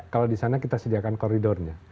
kalau di sana kita sediakan koridornya